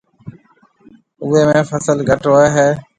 اوئيَ ۾ فصل گھٽ ھوئيَ ھيََََ